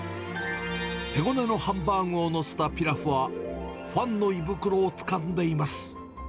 手ごねのハンバーグを載せたピラフは、ファンの胃袋をつかんでいます。